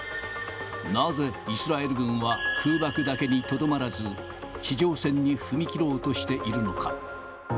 なぜイスラエル軍は空爆だけにとどまらず、地上戦に踏み切ろうとしているのか。